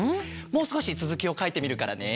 もうすこしつづきをかいてみるからね。